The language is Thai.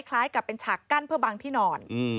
คล้ายกับเป็นฉากกั้นเพื่อบังที่นอน